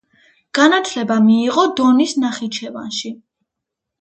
განათლება მიიღო დონის ნახიჩევანში.